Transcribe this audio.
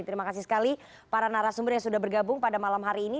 terima kasih sekali para narasumber yang sudah bergabung pada malam hari ini